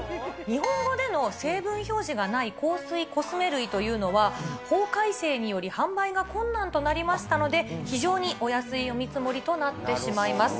日本語での成分表示がない香水・コスメ類というのは、法改正により販売が困難となりましたので、非常にお安いお見積もりとなってしまいます。